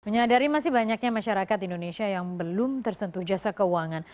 menyadari masih banyaknya masyarakat indonesia yang belum tersentuh jasa keuangan